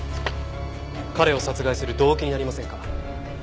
彼を殺害する動機になりませんか？